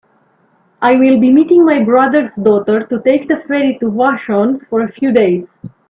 I will be meeting my brother's daughter to take the ferry to Vashon for a few days.